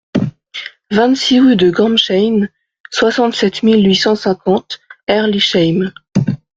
vingt-six rue de Gambsheim, soixante-sept mille huit cent cinquante Herrlisheim